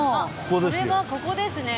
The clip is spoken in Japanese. これはここですね。